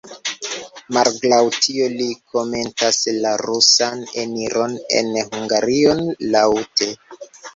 Malgraŭ tio li komentas la rusan eniron en Hungarion laŭte.